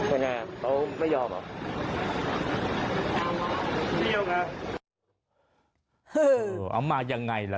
เอามาอย่างไรล่ะ